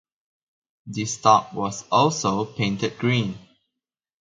The stock was also painted green.